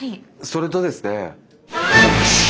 それとですね。